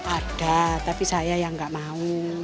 ada tapi saya yang nggak mau